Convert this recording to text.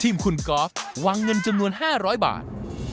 ทีมคุณกอล์ฟวางเงินจำนวน๕๐๐บาท